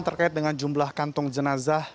terkait dengan jumlah kantong jenazah